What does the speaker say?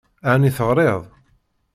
Ɛni teɣṛiḍ?